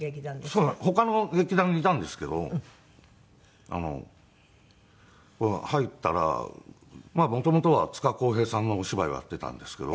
そう他の劇団にいたんですけど入ったら元々はつかこうへいさんのお芝居をやっていたんですけど。